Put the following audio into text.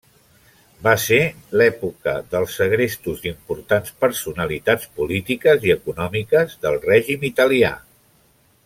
Va ser l'època dels segrestos d'importants personalitats polítiques i econòmiques del règim italià.